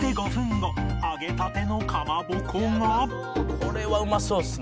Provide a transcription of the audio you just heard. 「これはうまそうっすね」